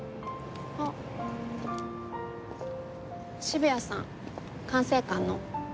渋谷さん管制官の。